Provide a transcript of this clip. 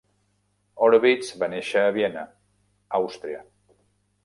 Horovitz va néixer a Viena, Àustria.